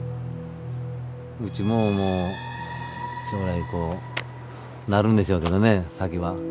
うちももう将来こうなるんでしょうけどね先は。